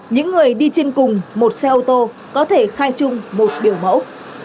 những người đi trên cùng một xe ô tô có thể khai trung một biểu mẫu